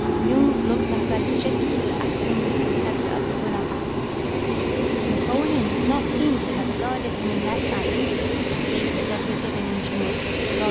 Jung looks on Salicetti as acting as the protector of the Bonapartes; but Napoleon does not seem to have regarded him in that light; see the letter given in Junot, vol.